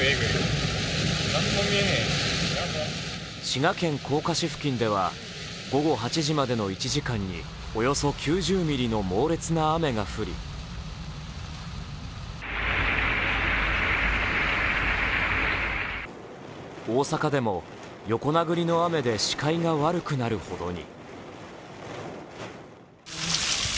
滋賀県甲賀市付近では午後８時までの１時間におよそ９０ミリの猛烈な雨が降り大阪でも横殴りの雨で視界が悪くなるほどに。